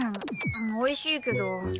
おいしいけど。